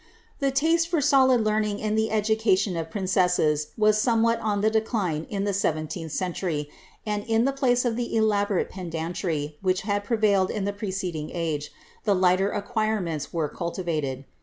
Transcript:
The taste for solid learning in the education of princesses was some what on the decline in the seventeenth century ; and in tlie place of the elaborate pedantry which had prevailed in the preceding age, the lighter acquirements were cultivated.